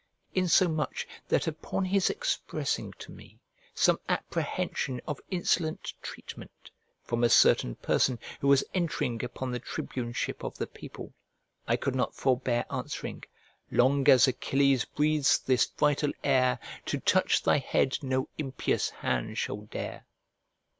Insomuch that upon his expressing to me some apprehension of insolent treatment from a certain person who was entering upon the tribuneship of the people, I could not forbear answering, "Long as Achilles breathes this vital air, To touch thy head no impious hand shall dare."